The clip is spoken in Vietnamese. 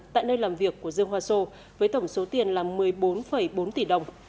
tại nơi làm việc của dương hoa sô với tổng số tiền là một mươi bốn bốn tỷ đồng